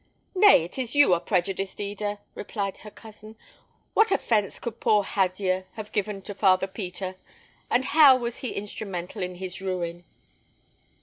"Nay, it is you are prejudiced, Eda," replied her cousin. "What offence could poor Hadyer have given to Father Peter, and how was he instrumental in his ruin?"